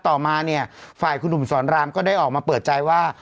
ต่อมาเนี่ยฝ่ายคุณหนุ่มสอนรามก็ได้ออกมาเปิดใจว่า